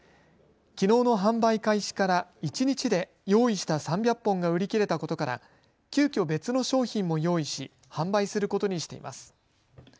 きのうの販売開始から一日で用意した３００本が売り切れたことから急きょ、別の商品も用意し販売することにしています。